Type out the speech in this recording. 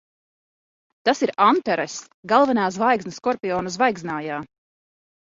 Tas ir Antaress. Galvenā zvaigzne Skorpiona zvaigznājā.